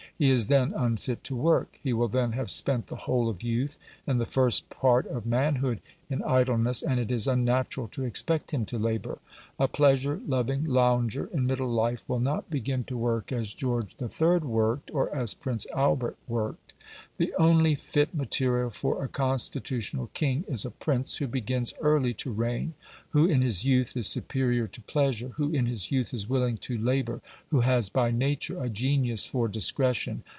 He is then unfit to work. He will then have spent the whole of youth and the first part of manhood in idleness, and it is unnatural to expect him to labour. A pleasure loving lounger in middle life will not begin to work as George III. worked, or as Prince Albert worked. The only fit material for a constitutional king is a prince who begins early to reign who in his youth is superior to pleasure who in his youth is willing to labour who has by nature a genius for discretion.